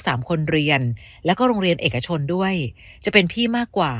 สามคนเรียนแล้วก็โรงเรียนเอกชนด้วยจะเป็นพี่มากกว่า